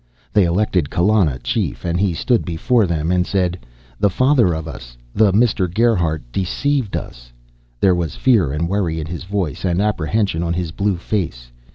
They elected Kallana chief and he stood before them and said, "The Father of Us, the Mister Gerhardt, deceived us." There was fear and worry in his voice and apprehension on his blue face.